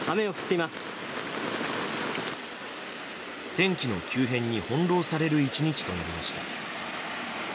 天気の急変に翻弄される１日となりました。